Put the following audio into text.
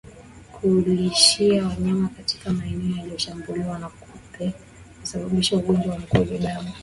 Kulishia wanyama katika maeneo yaliyoshambuliwa na kupe husababisha ugonjwa wa mkojo damu